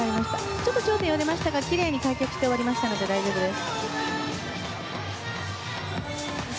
ちょっと頂点は出ましたがきれいに開脚して終わりましたので大丈夫です。